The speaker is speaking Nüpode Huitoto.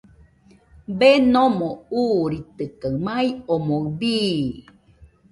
Denomo uuritɨkaɨ, mai omoɨ bii.